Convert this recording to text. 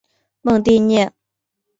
蒙蒂涅。